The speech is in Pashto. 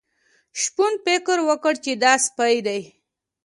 شپون فکر وکړ چې دا سپی دی.